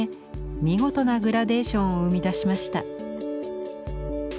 見事なグラデーションを生み出しました。